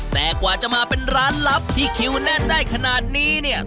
แต่กว่าจะมาเป็นร้านลับที่คิวแน่นได้ขนาดนี้เนี่ย